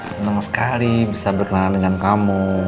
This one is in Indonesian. senang sekali bisa berkenalan dengan kamu